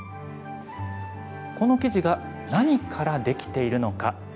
この生地が何からできているのか。